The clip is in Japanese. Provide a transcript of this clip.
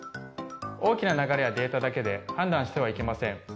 大きな流れやデータだけで判断してはいけません。